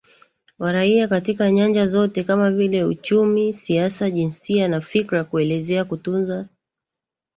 wa raia katika nyanja zote kama vile uchumi siasa jinsia na Fikra Kuelezea kutunza